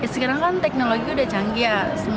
sekarang kan teknologinya udah canggih ya